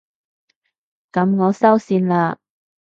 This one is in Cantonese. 噉我收線喇